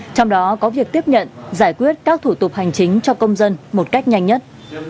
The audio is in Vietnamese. trong đó có việc tiếp nhận giải quyết các thủ tục hành chính cho công dân một cách nhanh nhất